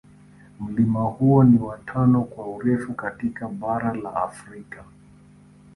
Mlima huo ni wa tano kwa urefu katika bara la Afrika.